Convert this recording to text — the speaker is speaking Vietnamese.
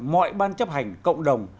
mọi ban chấp hành cộng đồng